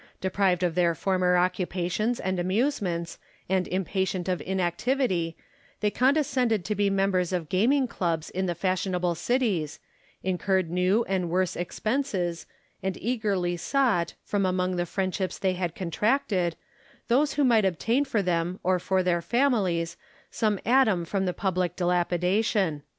Deprived of their former occupations and amusements, and impatient of inactivity, they condescended to be members of gaming clubs in the fashionable cities, incurred new and worse expenses, and eagerly sought, from among the friendships they had contracted, those who might obtain for them or for their families some atom from the public dilapidation.